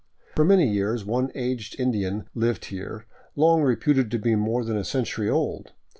For many years one aged Indian lived here, long reputed to be more than a century old.